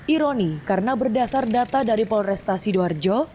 ironi karena berdasar data dari polresta sidoarjo